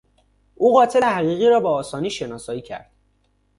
او قاتل حقیقی را به آسانی شناسایی کرد.